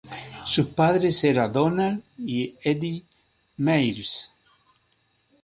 Sus padres eran Donald y Edith Myers.